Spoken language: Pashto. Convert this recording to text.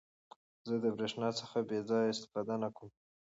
زه د برېښنا څخه بې ځایه استفاده نه کوم.